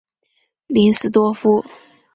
林斯多夫。